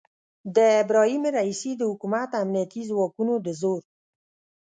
د ابراهیم رئیسي د حکومت امنیتي ځواکونو د زور